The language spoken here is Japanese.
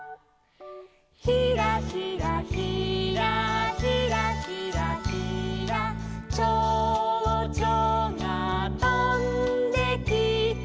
「ひらひらひらひらひらひら」「ちょうちょがとんできて」